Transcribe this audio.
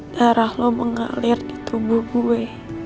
darah lo mengalir di tubuh gue